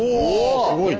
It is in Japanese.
すごいね。